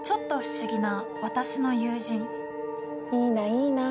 いいないいな。